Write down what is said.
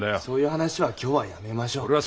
そういう話は今日はやめましょう。